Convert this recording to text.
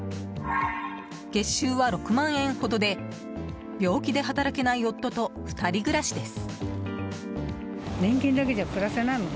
月収は６万円ほどで病気で働けない夫と２人暮らしです。